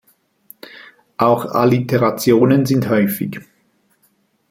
Auch Alliterationen sind häufig.